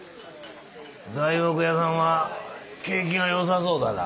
材木屋さんは景気がよさそうだな。